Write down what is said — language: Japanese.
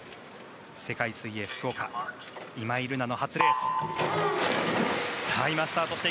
世界水泳福岡今井月の初レース。